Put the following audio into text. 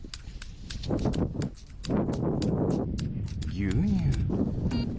ぎゅうにゅう。